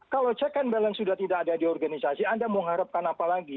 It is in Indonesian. kalau check and balance sudah tidak ada di organisasi anda mengharapkan apa lagi